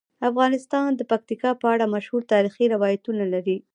افغانستان د پکتیکا په اړه مشهور تاریخی روایتونه لري.